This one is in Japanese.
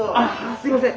すみません。